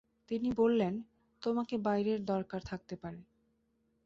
তিনি বললেন, তোমাকে বাইরের দরকার থাকতে পারে।